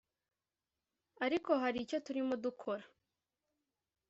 Ariko hari icyo turimo dukora